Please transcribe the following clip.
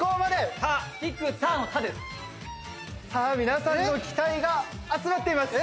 皆さんの期待が集まっています。